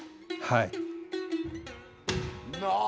はい。